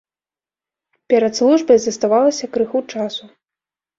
Перад службай заставалася крыху часу.